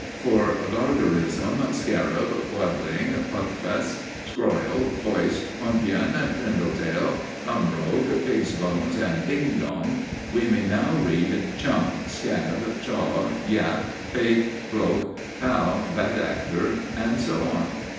For gargarism, scarab, quodling, puckfist, scroyle, foist, pumpion, trindle tale, comrogue, pigsbones, and ding dong, we may now read chump, scab, chaw, yap, fake, bloke, pal, bad actor, and so on.